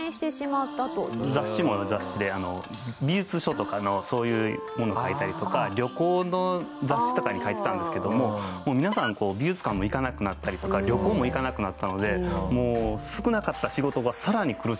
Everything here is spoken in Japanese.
雑誌も雑誌で美術書とかのそういうものを書いたりとか旅行の雑誌とかに書いてたんですけどももう皆さん美術館も行かなくなったりとか旅行も行かなくなったので少なかった仕事がさらに苦しくなっちゃって。